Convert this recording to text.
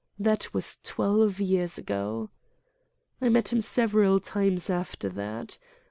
That was twelve years ago. I met him several times after that.